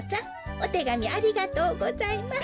おてがみありがとうございます。